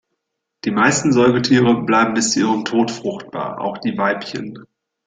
Die meisten Säugetiere bleiben bis zu ihrem Tod fruchtbar, auch die Weibchen.